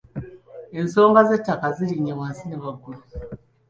Ensonga z'ettaka zirinye wansi ne waggulu.